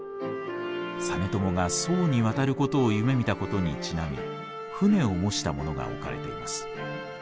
実朝が宋に渡ることを夢みたことにちなみ船を模したものが置かれています。